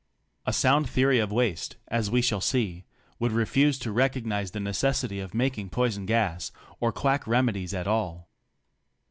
A sound theory of waste, as we shall see, would refuse to recognize the necessity of making poison gas or quack remedies at all.